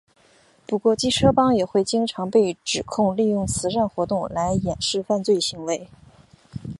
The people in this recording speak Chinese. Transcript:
不过机车帮会也经常被指控利用慈善活动来掩饰犯罪行为。